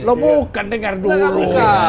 lo bukan dengar dulu